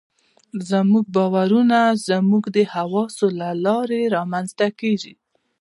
زموږ باورونه زموږ د حواسو له لارې رامنځته کېږي.